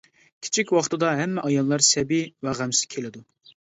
كىچىك ۋاقتىدا ھەممە ئاياللار سەبىي ۋە غەمسىز كېلىدۇ.